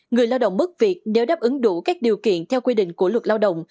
người lao động mất việc nếu đáp ứng đủ các điều kiện theo quy định của luật lao động